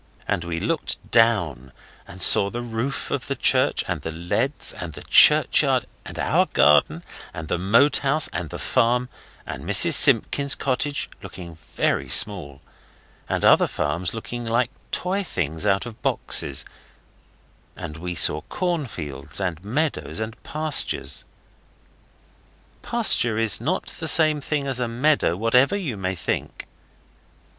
And we looked down and saw the roof of the church, and the leads, and the churchyard, and our garden, and the Moat House, and the farm, and Mrs Simpkins's cottage, looking very small, and other farms looking like toy things out of boxes, and we saw corn fields and meadows and pastures. A pasture is not the same thing as a meadow, whatever you may think.